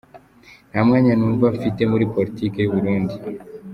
Nta mwanya n’umwe mfite muri Politiki y’Uburundi.